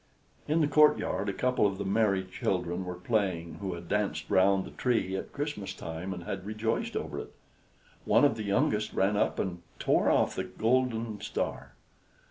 In the courtyard a couple of the merry children were playing who had danced round the tree at Christmas time, and had rejoiced over it. One of the youngest ran up and tore off the golden star.